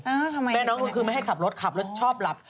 ทำไมแม่น้องก็คือไม่ให้ขับรถขับรถชอบหลับ